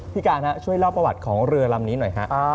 พี่การช่วยเล่าประวัติของเรือลำนี้หน่อยครับ